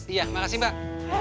iya makasih mbak